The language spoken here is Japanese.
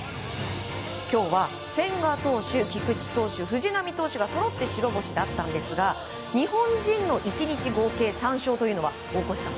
今日は千賀投手、菊池投手藤浪投手がそろって白星だったんですが日本人の１日合計３勝は大越さん